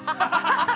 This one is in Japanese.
◆ハハハハ。